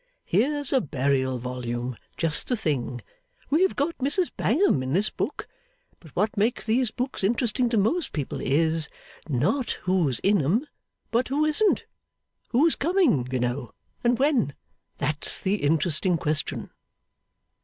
Here's a burial volume, just the thing! We have got Mrs Bangham in this book. But what makes these books interesting to most people is not who's in 'em, but who isn't who's coming, you know, and when. That's the interesting question.